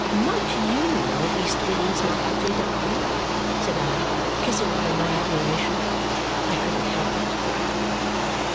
"Much YOU know of east winds, my ugly darling," said I, kissing her in my admiration I couldn't help it.